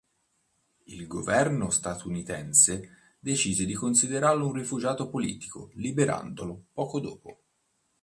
Il governo statunitense decise di considerarlo un rifugiato politico liberandolo poco dopo.